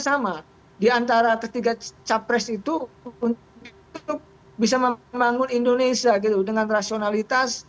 sama diantara ketiga capres itu untuk bisa membangun indonesia gitu dengan rasionalitas